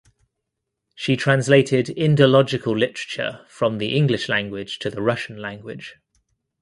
She translated Indological literature from the English language to the Russian language.